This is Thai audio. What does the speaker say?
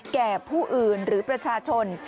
แก่ผู้อื่นหรือประชาชน